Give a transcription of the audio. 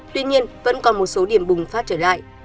tuy nhiên vẫn còn một số điểm bùng phát trở lại